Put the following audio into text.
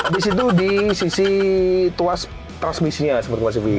di situ di sisi tuas transmisinya